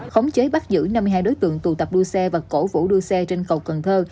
khống chế bắt giữ năm mươi hai đối tượng tụ tập đua xe và cổ vũ đua xe trên cầu cần thơ